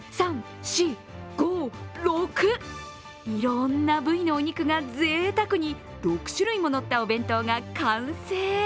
いろんな部位のお肉がぜいたくに６種類も乗ったお弁当が完成。